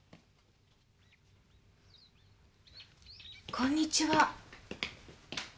こんにちは。